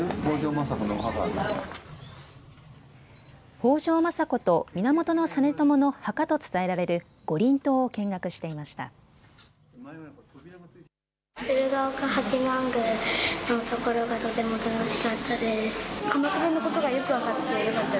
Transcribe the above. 北条政子と源実朝の墓と伝えられる五輪塔を見学していました。